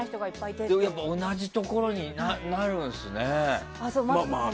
同じところになるんですね。